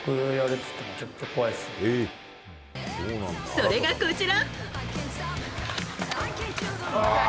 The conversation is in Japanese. それがこちら。